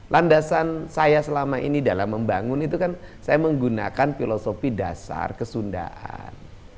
landasan saya selama ini dalam membangun itu kan saya menggunakan filosofi dasar kesundaan